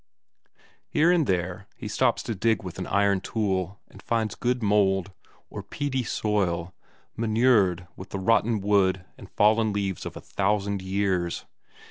Here and there he stops to dig with an iron tool, and finds good mould, or peaty soil, manured with the rotted wood and fallen leaves of a thousand years.